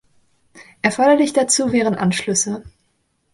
Erforderlich dazu wären Anschlüsse.